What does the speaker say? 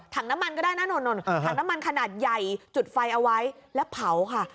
ถังน้ำมันขนาดใหญ่จุดไฟเอาไว้แล้วเผาค่ะ